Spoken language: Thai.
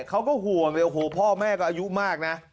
เขาก็หัวเวลาพ่อแม่ก็อายุมากนะ